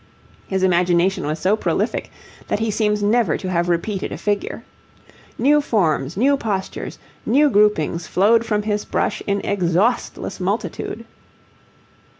His imagination was so prolific that he seems never to have repeated a figure. New forms, new postures, new groupings flowed from his brush in exhaustless multitude.